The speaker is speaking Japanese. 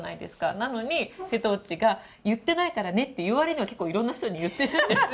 なのに、瀬戸内が、言ってないからねって言うわりには、結構いろんな人に言ってるんですよ。